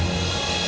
gelap di situ